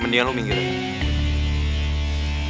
mendingan lu minggirin